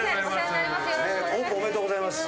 オープンおめでとうございます。